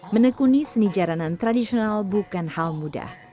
menekuni seni jaranan tradisional bukan hal mudah